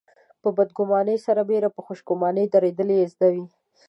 په بدګماني سربېره په خوشګماني درېدل يې زده وي.